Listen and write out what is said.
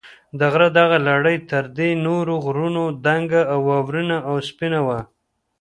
د غره دغه لړۍ تر دې نورو غرونو دنګه، واورینه او سپینه وه.